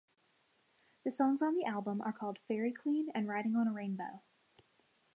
The songs on the album are called "Fairy Queen" and "Riding On a Rainbow.